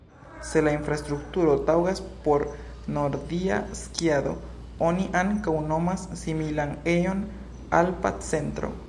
Se la infrastrukturo taŭgas por nordia skiado oni ankaŭ nomas similan ejon "alpa centro".